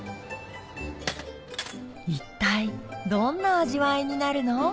一体どんな味わいになるの？